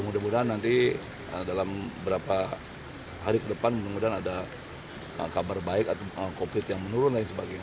mudah mudahan nanti dalam beberapa hari ke depan mudah mudahan ada kabar baik atau covid yang menurun dan sebagainya